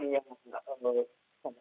dan ini harus dibuka ke kekecuan ini